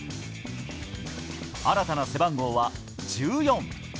新たな背番号は１４。